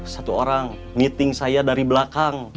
satu orang meeting saya dari belakang